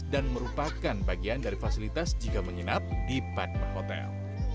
dan merupakan bagian dari fasilitas jika menginap di padma hotel